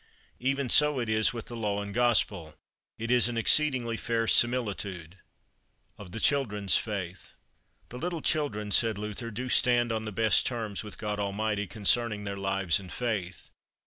Even so it is with the Law and Gospel. It is an exceedingly fair similitude. Of the Children's Faith. The little children, said Luther, do stand on the best terms with God Almighty concerning their lives and faith.